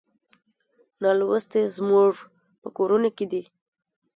نالوستي زموږ په کورونو کې دي.